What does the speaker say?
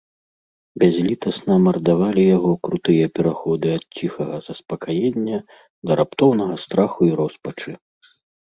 Бязлітасна мардавалі яго крутыя пераходы ад ціхага заспакаення да раптоўнага страху і роспачы.